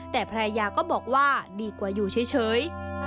แต่ภรรยาก็บอกว่าดีกว่าอยู่เฉย